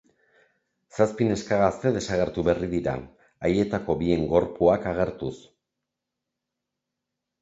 Zazpi neska gazte desagertu berri dira, haietako bien gorpuak agertuz.